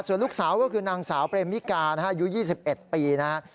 ส่วนลูกสาวก็คือนางสาวเปรมมิกานะฮะอายุ๒๑ปีนะครับ